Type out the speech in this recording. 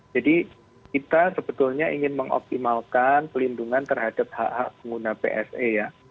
jadi kita sebetulnya ingin mengoptimalkan perlindungan terhadap hak hak pengguna psa ya